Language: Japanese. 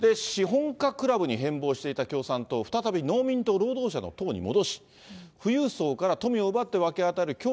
資本家クラブに変貌していた共産党、再び農民と労働者の党に戻し、富裕層から富を奪って、分け与える